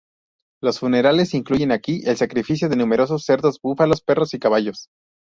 Los funerales incluyen aquí el sacrificio de numerosos cerdos, búfalos, perros y caballos.